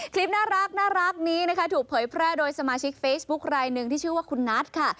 คลิปน่ารักนี้นะคะถูกเผยแพร่โดยสมาชิกเฟซบุ๊คลายหนึ่งที่ชื่อว่าคุณนัทค่ะ